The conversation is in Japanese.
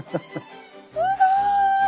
すごい！